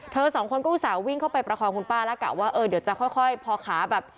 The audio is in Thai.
สองคนก็อุตส่าห์วิ่งเข้าไปประคองคุณป้าแล้วกะว่าเออเดี๋ยวจะค่อยพอขาแบบ